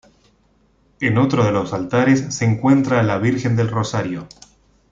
En otro de los altares se encuentra la Virgen del Rosario.